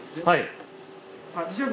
はい。